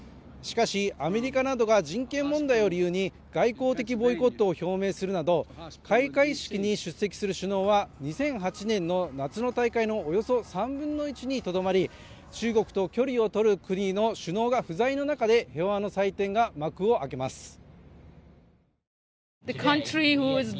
しかしアメリカなどが人権問題を理由に外交的ボイコットを表明するなど開会式に出席する首脳は２００８年の夏の大会のおよそ３分の１にとどまり中国と距離をとる国の首脳が不在の中で平和の祭典が幕を開けます